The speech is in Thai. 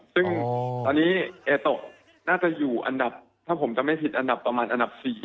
ซึ่งตอนนี้เอโตะน่าจะอยู่อันดับถ้าผมจะไม่ผิดอันดับประมาณอันดับ๔